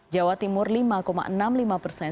jawa timur lima enam puluh lima persen